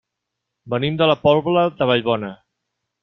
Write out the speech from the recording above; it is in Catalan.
Venim de la Pobla de Vallbona.